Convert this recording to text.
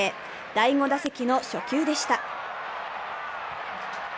第５打席の初球でした。